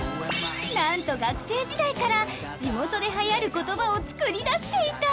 なんと学生時代から地元で流行る言葉を作り出していた！